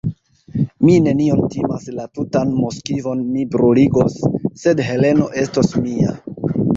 Mi nenion timas, la tutan Moskvon mi bruligos, sed Heleno estos mia!